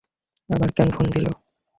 আবার কেন ফোন দিল?